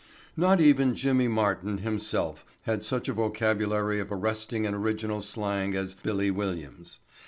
Not even Jimmy Martin himself had such a vocabulary of arresting and original slang as "Billy" Williams.